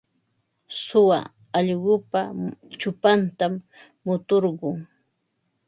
Suwa allqupa chupantam muturqun.